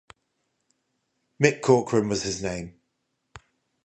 Mick Corcoran was his name.